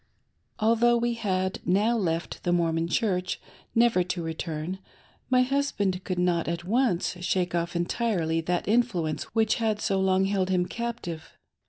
Although we had now left the Mormon Church, never to return, my husband could not at once shake off entirely that influence which had so long held him captive.